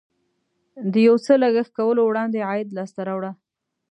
د یو څه لګښت کولو وړاندې عاید لاسته راوړه.